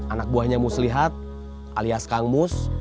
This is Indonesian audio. anak buahnya muslihat alias kangmus